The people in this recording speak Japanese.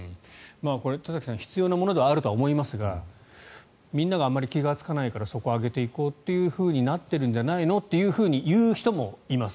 田崎さん必要なものではあると思いますがみんながあまり気がつかないからそこを上げていこうとなっているんじゃないかと言う人もいます。